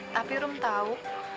tapi rum tau